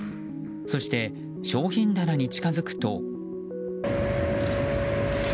そして商品棚に近づくと。